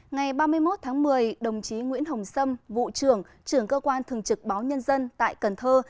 ngày ba mươi một tháng một mươi đồng chí nguyễn hồng sâm vụ trưởng trưởng cơ quan thường trực báo nhân dân tại cần thơ